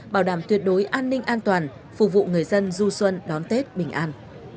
bảo đảm tuyệt đối an ninh an toàn phục vụ người dân du xuân đón tết bình an